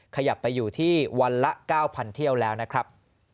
ขยับไปอยู่ที่วันละ๙๐๐เที่ยวแล้วนะครับ